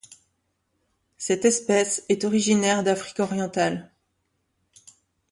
Cette espèce est originaire d’Afrique orientale.